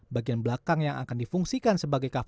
bagian belakang yang akan difungsikan sebagai kafe